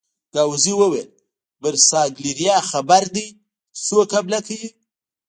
ګاووزي وویل: برساګلیریا خبر دي چې څوک حمله کوي؟